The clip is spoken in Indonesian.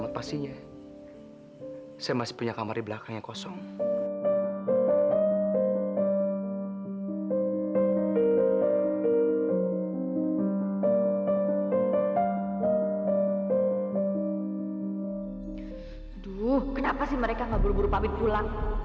kenapa sih mereka gak buru buru pamit pulang